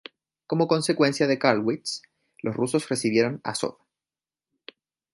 Como consecuencia de Karlowitz, los rusos recibieron Azov.